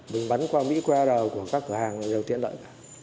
mình bắn qua mỹ qua đào của các cửa hàng là đều tiện lợi